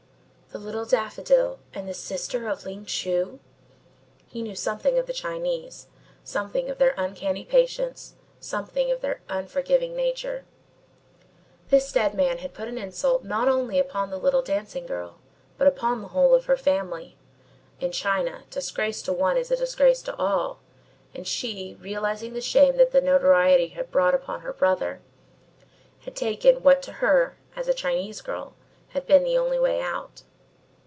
The Little Daffodil! And the sister of Ling Chu! He knew something of the Chinese, something of their uncanny patience, something of their unforgiving nature. This dead man had put an insult not only upon the little dancing girl, but upon the whole of her family. In China disgrace to one is a disgrace to all and she, realising the shame that the notoriety had brought upon her brother, had taken what to her, as a Chinese girl, had been the only way out.